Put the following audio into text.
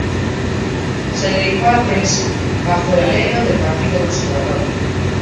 Se dedicó a la prensa, bajo el alero del Partido Conservador.